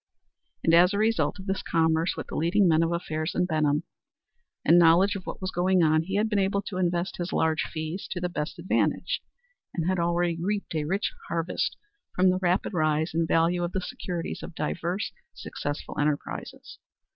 And as a result of this commerce with the leading men of affairs in Benham, and knowledge of what was going on, he had been able to invest his large fees to the best advantage, and had already reaped a rich harvest from the rapid rise in value of the securities of diverse successful enterprises.